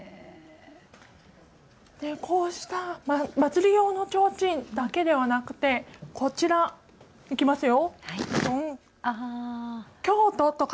こうした祭り用のちょうちんだけではなくてこちら、いきますよ。